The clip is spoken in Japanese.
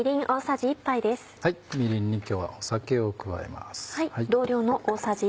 みりんに今日は酒を加えます。